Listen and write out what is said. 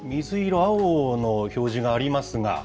水色、青の表示がありますが。